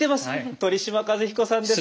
鳥嶋和彦さんです。